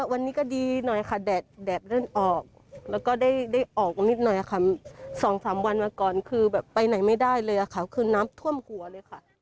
วันนี้ก็ดีหน่อยค่ะแดดเลื่อนออกแล้วก็ได้ออกมานิดหน่อยค่ะ๒๓วันมาก่อนคือแบบไปไหนไม่ได้เลยค่ะคือน้ำท่วมหัวเลยค่ะ